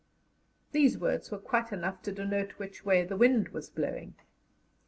These words were quite enough to denote which way the wind was blowing.